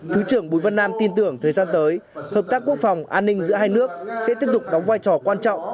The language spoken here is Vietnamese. thứ trưởng bùi văn nam tin tưởng thời gian tới hợp tác quốc phòng an ninh giữa hai nước sẽ tiếp tục đóng vai trò quan trọng